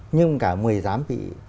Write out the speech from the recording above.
nhưng cả một mươi giám vị